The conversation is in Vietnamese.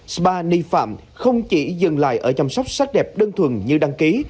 spa ni phạm không chỉ dừng lại ở chăm sóc sách đẹp đơn thuần như đăng ký